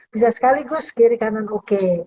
bisa sekaligus kiri kanan oke